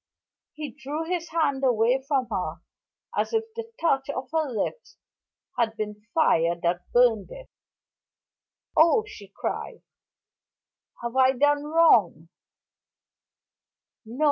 He drew his hand away from her as if the soft touch of her lips had been fire that burned it. "Oh," she cried, "have I done wrong?"